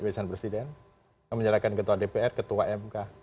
memenjarakan presiden memenjarakan ketua dpr ketua mk